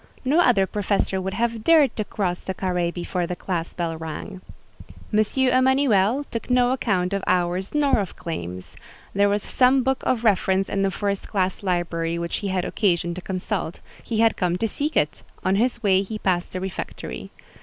No other professor would have dared to cross the carré before the class bell rang. M. Emanuel took no account of hours nor of claims: there was some book of reference in the first class library which he had occasion to consult; he had come to seek it: on his way he passed the refectory.